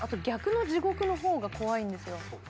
逆の地獄のほうが怖いんですよ。